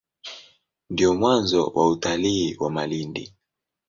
Ndio mwanzo wa utalii wa Malindi.